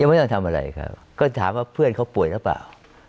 ไม่ต้องทำอะไรครับก็ถามว่าเพื่อนเขาป่วยหรือเปล่า